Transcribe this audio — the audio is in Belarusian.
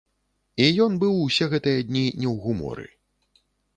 І ён быў усе гэтыя дні не ў гуморы.